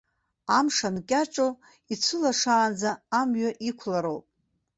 Амш анкьаҿу, ицәылашаанӡа амҩа иқәлароуп.